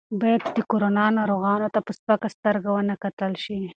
باید د کرونا ناروغانو ته په سپکه سترګه ونه کتل شي.